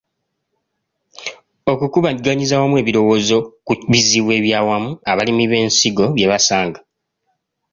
Okukubaganyiza awamu ebirowoozo ku bizibu ebyawamu abalimi b’ensigo bye basanga.